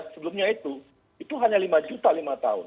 sebelumnya itu itu hanya lima juta lima tahun